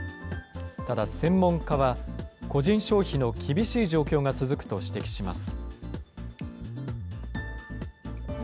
ただ専門家は、個人消費の厳しい状況が続くと指摘します。